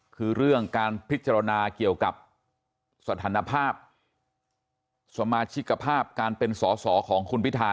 คือเรื่องการพิจารณาเกี่ยวกับสถานภาพสมาชิกภาพการเป็นสอสอของคุณพิธา